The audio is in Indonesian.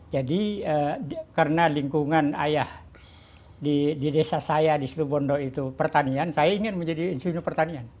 jadi karena lingkungan ayah di desa saya di situbondo itu pertanian saya ingin menjadi insinyur pertanian